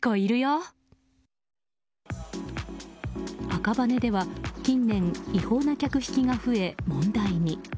赤羽では近年違法な客引きが増え問題に。